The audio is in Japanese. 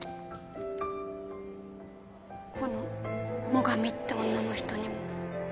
この最上って女の人にも。